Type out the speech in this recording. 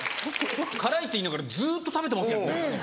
辛いって言いながらずっと食べてますけどね。